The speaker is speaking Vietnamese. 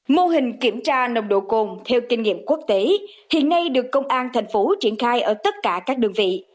mô hình kiểm tra nồng độ cồn theo kinh nghiệm quốc tế hiện nay được công an thành phố triển khai ở tất cả các đơn vị